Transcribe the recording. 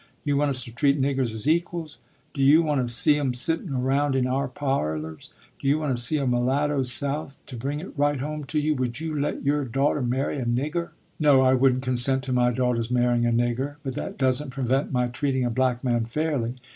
You want us to treat niggers as equals. Do you want to see 'em sitting around in our parlors? Do you want to see a mulatto South? To bring it right home to you, would you let your daughter marry a nigger?" "No, I wouldn't consent to my daughter's marrying a nigger, but that doesn't prevent my treating a black man fairly.